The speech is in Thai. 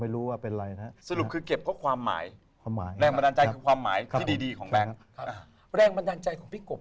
แรงบันดาลใจ